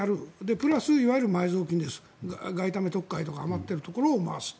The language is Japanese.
プラス、いわゆる埋蔵金です外為特会とか余っているところを回す。